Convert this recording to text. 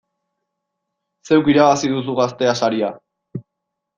Zeuk irabazi duzu Gaztea saria!